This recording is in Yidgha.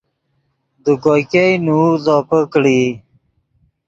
دے کوئے ګئے نؤ زوپے کڑیئی